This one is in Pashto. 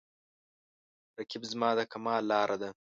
رقیب زما د کمال لاره ده